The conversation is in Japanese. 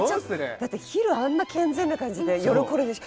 だって昼あんな健全な感じで夜これでしょ？